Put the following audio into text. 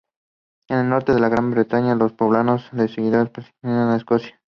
En el norte de Gran Bretaña los problemas de seguridad persistieron en Escocia.